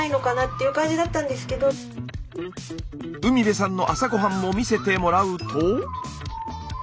海辺さんの朝ごはんも見せてもらうと。